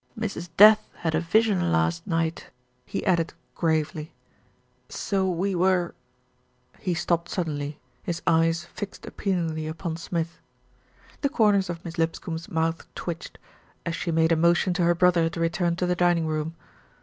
"Mrs. Death had a vision last night," he added gravely, 288 THE RETURN OF ALFRED "so we were " He stopped suddenly, his eyes fixed appealingly upon Smith. The corners of Miss Lipscombe's mouth twitched, as she made a motion to her brother to return to the dining room.